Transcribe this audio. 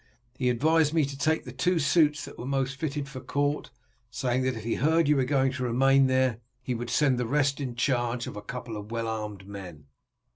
He advised me to take the two suits that were most fitted for court, saying that if he heard you were going to remain there he would send on the rest in charge of a couple of well armed men."